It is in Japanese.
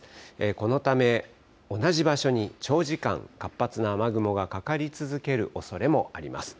このため、同じ場所に長時間活発な雨雲がかかり続けるおそれもあります。